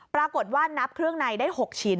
ปรากฏว่านับเครื่องในได้๖ชิ้น